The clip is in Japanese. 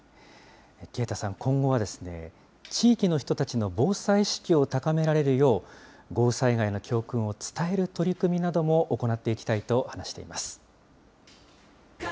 圭太さん、今後は地域の人たちの防災意識を高められるよう、豪雨災害の教訓などを伝える取り組みなども行っていきたいと話しています。